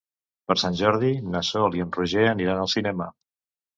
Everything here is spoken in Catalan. Per Sant Jordi na Sol i en Roger aniran al cinema.